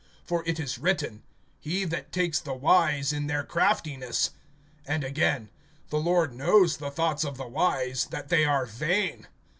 For it is written: He that takes the wise in their craftiness. (20)And again: The Lord knows the thoughts of the wise, That they are vain.